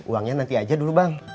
uangnya nanti aja dulu bang